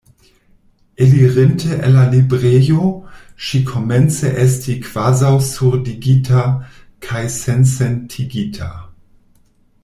Elirinte el la librejo, ŝi komence estis kvazaŭ surdigita kaj sensentigita.